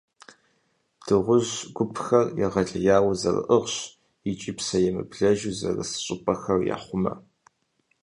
Дыгъужь гупхэр егъэлеяуэ зэрыӏыгъщ, икӏи псэемыблэжу зэрыс щӏыпӏэхэр яхъумэ.